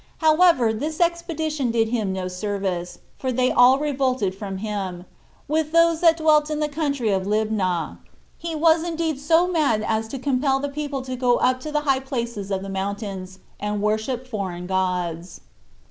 However, this expedition did him no service, for they all revolted from him, with those that dwelt in the country of Libnah. He was indeed so mad as to compel the people to go up to the high places of the mountains, and worship foreign gods.